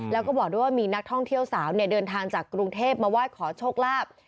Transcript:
แล้วก็บอกด้วยว่ามีนักท่องเที่ยวสาวเดินทางจากกรุงเทพมาไหว้ขอโชคลาภ